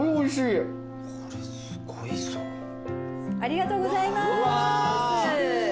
ありがとうございます。